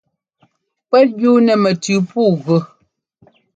Kúɛ́t yú nɛ́ mɛtʉʉ pǔu ɛ́gʉ.